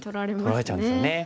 取られちゃうんですよね。